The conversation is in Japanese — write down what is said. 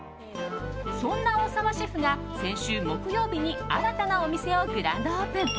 そんな大澤シェフが先週木曜日に新たなお店をグランドオープン。